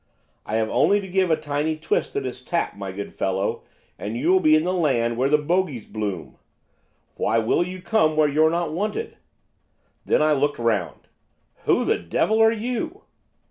'I have only to give a tiny twist to this tap, my good fellow, and you will be in the land where the bogies bloom. Why will you come where you're not wanted?' Then I looked round. 'Who the devil are you?